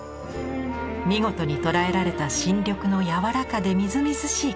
見事に捉えられた新緑の柔らかでみずみずしい輝き。